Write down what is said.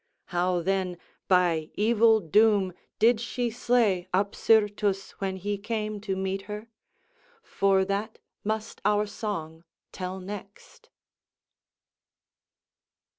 How then by evil doom did she slay Apsyrtus when he came to meet her? For that must our song tell next.